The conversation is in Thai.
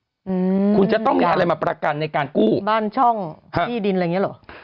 อืมคุณจะต้องมีอะไรมาประกันในการกู้บ้านช่องที่ดินอะไรอย่างเงี้เหรอ